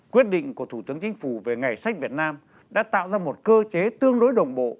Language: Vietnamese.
quyết định của thủ tướng chính phủ về ngày sách việt nam đã tạo ra một cơ chế tương đối đồng bộ